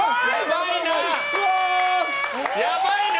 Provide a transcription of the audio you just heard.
やばいな！